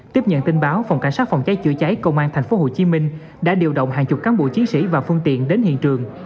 tiếp nhận tin báo phòng cảnh sát phòng cháy chữa cháy công an tp hcm đã điều động hàng chục cán bộ chiến sĩ và phương tiện đến hiện trường